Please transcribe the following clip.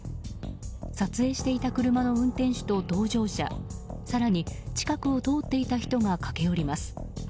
撮影していた車の運転手と同乗者更に近くを通っていた人が駆け寄ります。